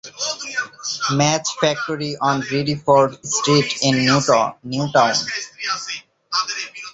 Match Factory on Riddiford Street in Newtown.